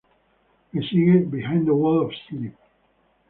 Le sigue "Behind the Wall of Sleep".